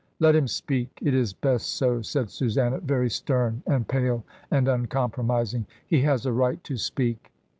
"Let him speak, it is best so," said Susanna very stem, and pale, and uncompromising. "He has a right to speak."